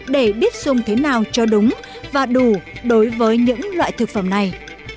để biết dùng thế nào cho đúng và đủ đối với những loại thực phẩm này